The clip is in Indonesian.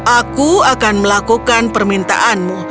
aku akan melakukan permintaanmu